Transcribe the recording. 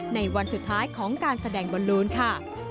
ในวันสุดท้ายของการแสดงบอลลูนค่ะ